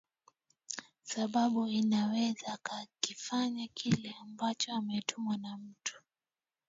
sababu inaweza kakifanya kile ambacho ametumwa na mtu